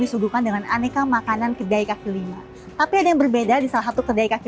disuguhkan dengan aneka makanan kedai kaki lima tapi ada yang berbeda di salah satu kedai kaki